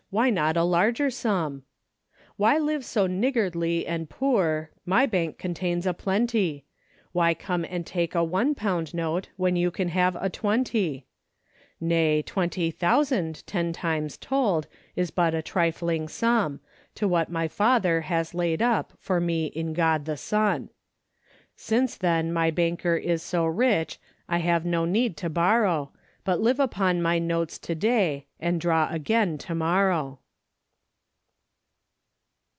Why not a larger sum ? A DAILY RATEA' 349 ''' Wliy live so niggardly and poor, My bank contains a plenty ; Why come and take a one pound note, When you can have a twenty ?"' Nay, twenty thousand ten times told Is but a trifling sum. To what my Father has laid up For me in God the Son. "' Since, then, my banker is so rich, I have no need to borrow, But live upon my notes to day. And draw again to morrow.